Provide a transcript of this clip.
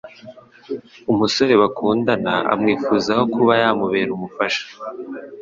umusore bakundana amwifuzaho kuba yamubera umufasha.